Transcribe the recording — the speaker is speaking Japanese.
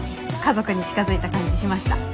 家族に近づいた感じしました。